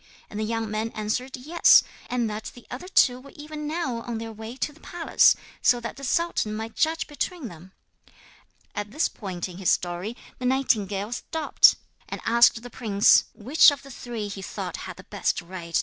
And the young man answered yes, and that the other two were even now on their way to the palace, so that the sultan might judge between them.' At this point in his story the nightingale stopped, and asked the prince which of the three he thought had the best right to the princess.